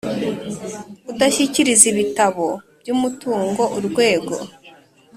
Udashyikiriza ibitabo by umutungo urwego